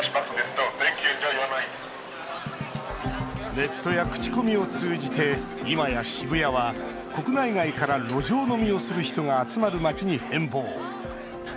ネットや口コミを通じていまや渋谷は国内外から路上飲みをする人が集まる街に変貌。